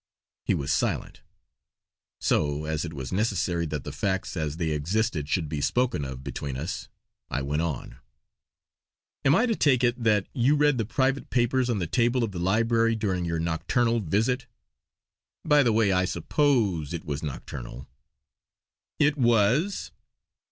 He was silent; so, as it was necessary that the facts as they existed should be spoken of between us, I went on: "Am I to take it that you read the private papers on the table of the library during your nocturnal visit? By the way, I suppose it was nocturnal." "It was."